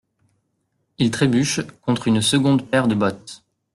Il trébuche contre une seconde paire de bottes.